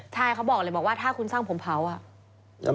ใช่เขาบอกเลยบอกว่าถ้าคุณสร้างผมเผาอ่ะ